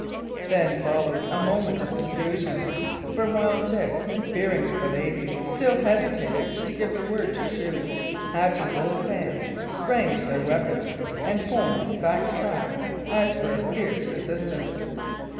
Then followed a moment of confusion; for while Dick, fearing for the ladies, still hesitated to give the word to shoot, Hatch's little band sprang to their weapons and formed back to back as for a fierce resistance.